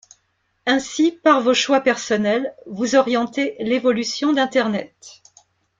Ainsi, par vos choix personnels, vous orientez l'évolution d'internet